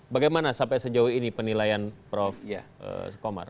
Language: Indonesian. bagaimana sampai sejauh ini penilaian prof komar